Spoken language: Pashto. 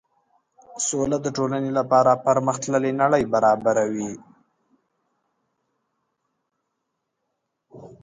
سوله د ټولنې لپاره پرمخ تللې نړۍ برابروي.